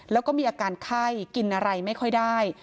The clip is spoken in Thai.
แล้วก็มีอาการไข้กินอะไรไม่ค่อยได้